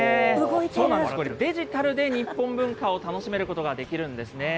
そうなんです、デジタルで日本文化を楽しめることができるんですね。